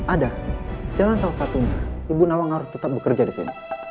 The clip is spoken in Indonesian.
ada jangan tahu satunya ibu bunawang harus tetap bekerja di sini